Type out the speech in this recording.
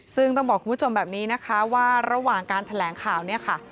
ซึ่งต้องบอกคุณผู้ชมแบบนี้นะคะว่าระหว่างการแถลงข่าวเนี่ยค่ะ